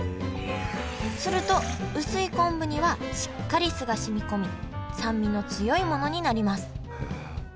すると薄い昆布にはしっかり酢が染み込み酸味の強いものになります。